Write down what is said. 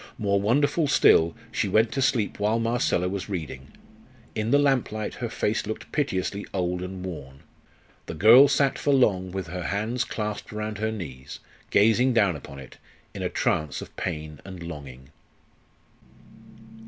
More wonderful still, she went to sleep while Marcella was reading. In the lamplight her face looked piteously old and worn. The girl sat for long with her hands clasped round her knees, gazing down upon it, in a trance of pain and longing.